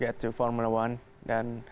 mencapai formula satu dan